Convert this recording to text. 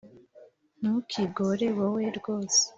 ntukigore wowe rwose